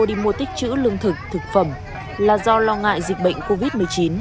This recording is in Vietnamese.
dân đổ xô đi mua tích chữ lương thực thực phẩm là do lo ngại dịch bệnh covid một mươi chín